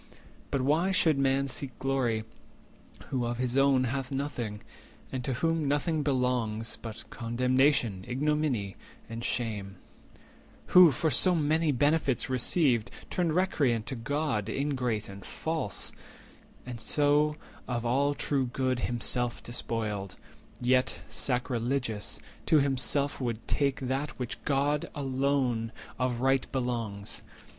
But why should man seek glory, who of his own Hath nothing, and to whom nothing belongs But condemnation, ignominy, and shame— Who, for so many benefits received, Turned recreant to God, ingrate and false, And so of all true good himself despoiled; Yet, sacrilegious, to himself would take 140 That which to God alone of right belongs?